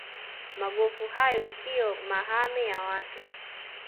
magofu hayo siyo mahame ya watu